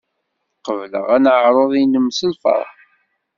Qebleɣ aneɛṛuḍ-nnem s lfeṛḥ.